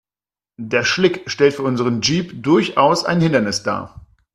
Der Schlick stellt für unseren Jeep durchaus ein Hindernis dar.